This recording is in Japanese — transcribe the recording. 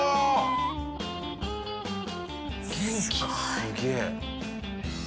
すげえ。